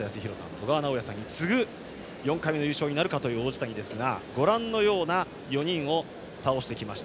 小川直也さんに次ぐ４回目の優勝なるかという王子谷ですが、ご覧の選手を倒してきました。